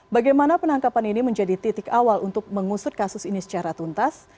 bagaimana penangkapan ini menjadi titik awal untuk mengusut kasus ini secara tuntas